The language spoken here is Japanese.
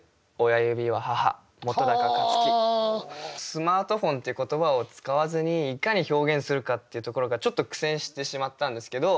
「スマートフォン」っていう言葉を使わずにいかに表現するかっていうところがちょっと苦戦してしまったんですけど。